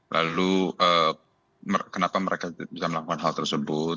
lalu kenapa mereka bisa melakukan hal tersebut